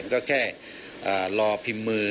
ก็แค่รอพิมพ์มือ